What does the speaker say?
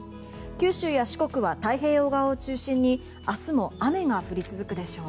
九州や四国は太平洋側を中心に明日も雨が降り続くでしょう。